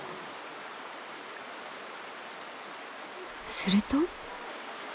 すると。